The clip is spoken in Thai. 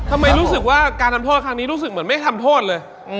รู้สึกว่าการทำโทษครั้งนี้รู้สึกเหมือนไม่ทำโทษเลย